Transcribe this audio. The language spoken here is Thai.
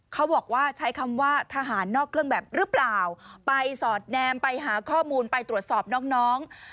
เขาบอกว่าใช้คำว่าทหารนอกเครื่องแบบหรือเปล่าไปสอดแนมไปหาข้อมูลไปตรวจสอบน้อง